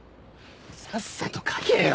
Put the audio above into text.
さっさと書けよ。